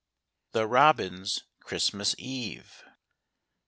THE ROBINS CHRISTMAS EVE.